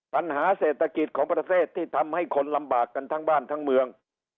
ปัญหาเศรษฐกิจของประเทศที่ทำให้คนลำบากกันทั้งบ้านทั้งเมือง